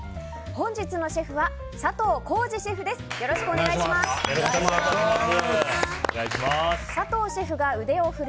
本日のシェフは佐藤幸二シェフです。